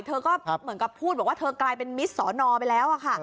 เธอก็เหมือนกับพูดบอกว่าเธอกลายเป็นมิตรสอนอไปแล้วค่ะ